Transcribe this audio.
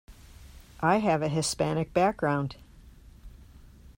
I have a Hispanic background